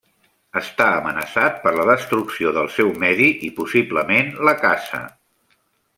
Està amenaçat per la destrucció del seu medi i, possiblement, la caça.